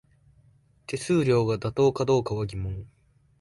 手数料が妥当かどうかは疑問